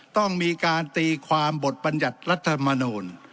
ต้องมีการตีความบทบรรยัติรัฐมนูล